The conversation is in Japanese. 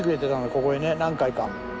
ここにね何回か。